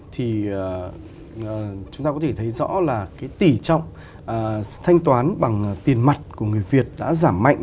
thì chúng ta có thể thấy rõ là cái tỷ trọng thanh toán bằng tiền mặt của người việt đã giảm mạnh